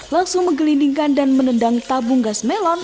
langsung menggelindingkan dan menendang tabung gas melon